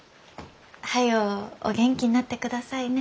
早うお元気になってくださいね。